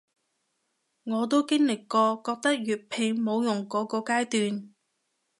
我都經歷過覺得粵拼冇用箇個階段